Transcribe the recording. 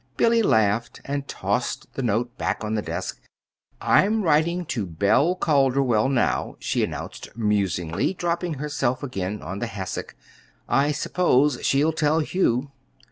Billy laughed, and tossed the note back on the desk. "I'm writing to Belle Calderwell, now," she announced musingly, dropping herself again on the hassock. "I suppose she'll tell Hugh."